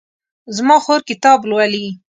زما خور کتاب لولي